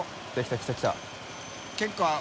来た来た。